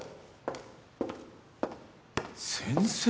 先生。